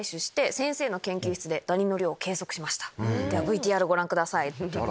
ではＶＴＲご覧ください。